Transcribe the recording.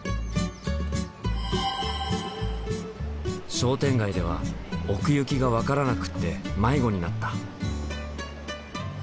商店街では奥行きが分からなくって迷子になった。